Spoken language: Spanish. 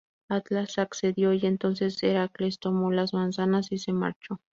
Atlas accedió, y entonces Heracles tomó las manzanas y se marchó.